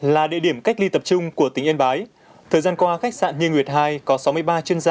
là địa điểm cách ly tập trung của tỉnh yên bái thời gian qua khách sạn nhi nguyệt hai có sáu mươi ba chuyên gia